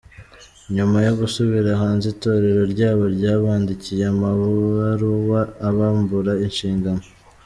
Nyuma yo gusubira hanze, itorero ryabo ryabandikiye amabaruwa abambura inshingano.